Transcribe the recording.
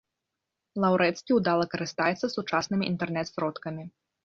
Лаўрэцкі ўдала карыстаецца сучаснымі інтэрнэт-сродкамі.